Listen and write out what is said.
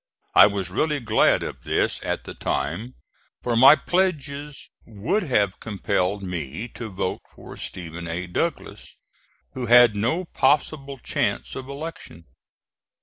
I was really glad of this at the time, for my pledges would have compelled me to vote for Stephen A. Douglas, who had no possible chance of election.